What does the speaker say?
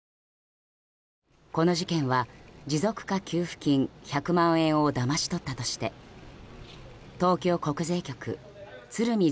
この事件は持続化給付金１００万円をだまし取ったとして東京国税局鶴見